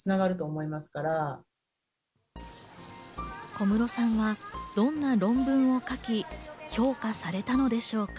小室さんはどんな論文を書き、評価されたのでしょうか。